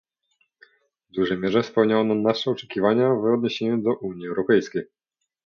W dużej mierze spełnia on nasze oczekiwania w odniesieniu do Unii Europejskiej